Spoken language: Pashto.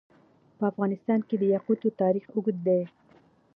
په افغانستان کې د یاقوت تاریخ اوږد دی.